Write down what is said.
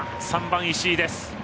３番、石井です。